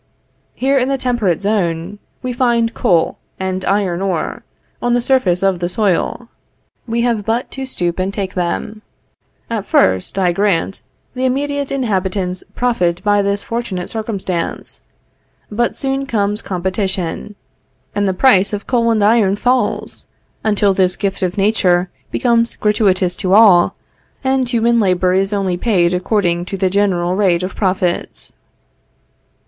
Here in the temperate zone, we find coal and iron ore, on the surface of the soil; we have but to stoop and take them. At first, I grant, the immediate inhabitants profit by this fortunate circumstance. But soon comes competition, and the price of coal and iron falls, until this gift of Nature becomes gratuitous to all, and human labor is only paid according to the general rate of profits.